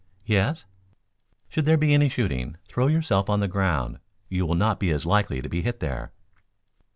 "Yes?" "Should there be any shooting, throw yourself on the ground. You will not be as likely to be hit there."